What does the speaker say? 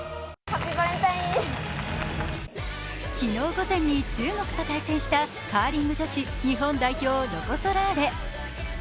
昨日午前に中国と対戦したカーリング女子日本代表ロコ・ソラーレ。